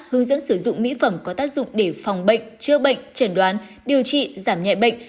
hướng dẫn sử dụng mỹ phẩm có tác dụng để phòng bệnh chữa bệnh trần đoán điều trị giảm nhẹ bệnh